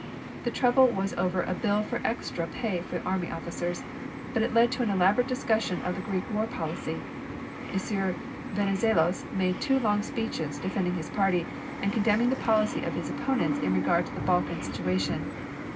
The trouble was over a bill for extra pay to army officers, but it led to an elaborate discussion of the Greek war policy. M. Venizelos made two long speeches defending his policy, and condemning the policy of his opponents in regard to the Balkan situation.